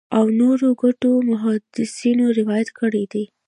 او نورو ګڼو محدِّثينو روايت کړی دی